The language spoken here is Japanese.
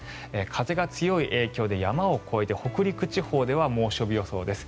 風が強い影響で山を越えて北陸地方では猛暑日予想です。